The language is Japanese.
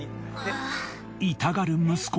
痛がる息子